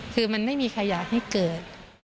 คือมันไม่มีใครอยากให้เกิด